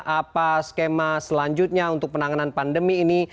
apa skema selanjutnya untuk penanganan pandemi ini